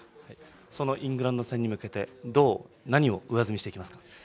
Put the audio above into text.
そのイングランド戦に向けてどう何を上積みしていきますか。